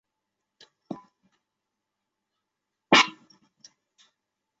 位于港町里达鲁旦特与母亲以贩卖村落特产之花封药为生。